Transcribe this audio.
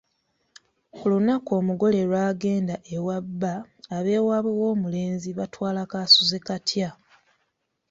Ku lunaku omugole lw’agenda ewa bba; ab’ewaabwe w’omulenzi batwala kaasuzekatya.